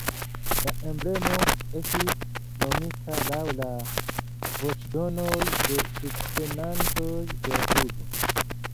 La emblemo estis nomita laŭ la voĉdonoj de subtenantoj de la klubo.